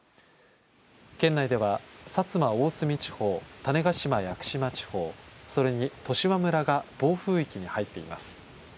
県内では薩摩・大隅地方、種子島・屋久島地方、それに十島村が暴風域に入っています。